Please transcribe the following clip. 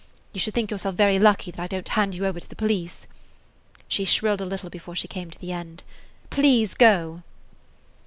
You should think yourself very lucky that I don't hand you over to the police." She shrilled a little before she came to the end. "Please go!"